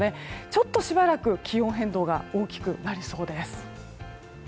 ちょっとしばらく気温変動が大きくなりそうです。